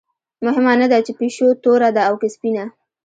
مهمه نه ده چې پیشو توره ده او که سپینه.